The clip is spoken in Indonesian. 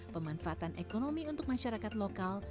pemanfaatan ekonomi untuk masyarakat lokal